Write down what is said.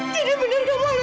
jadi benar kamu anaknya farah